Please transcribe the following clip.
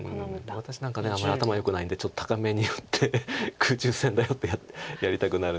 私なんかあんまり頭よくないんでちょっと高めに打って空中戦だよってやりたくなるんですけど。